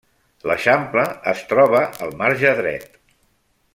L'eixample es troba al marge dret.